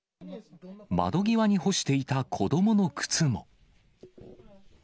窓際に干していた子どもの靴も。